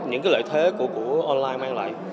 những cái lợi thế của online mang lại